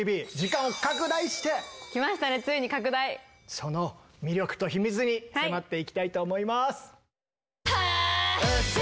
その魅力と秘密に迫っていきたいと思います。